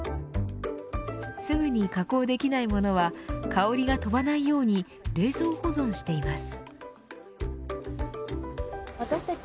すぐに加工できないものは香りが飛ばないように冷蔵保存しています。